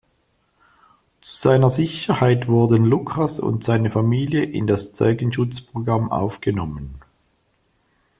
Zu seiner Sicherheit wurden Lucas und seine Familie in das Zeugenschutzprogramm aufgenommen.